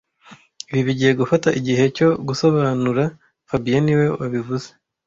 Ibi bigiye gufata igihe cyo gusobanura fabien niwe wabivuze